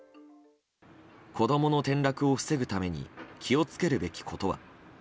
子供の転落を防ぐために気を付けるべきことは。